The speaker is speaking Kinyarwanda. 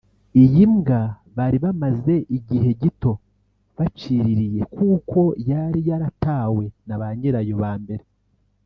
Iyi mbwa bari bamaze igihe gito baciririye kuko yari yaratawe na ba nyirayo ba mbere